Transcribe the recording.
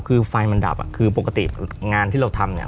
คือไฟมันดับอ่ะคือปกติงานที่เราทำเนี่ย